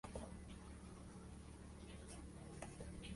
Las localidades de referencia son Sot de Chera al este y Chera al oeste.